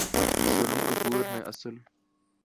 سونم کپور نے اسل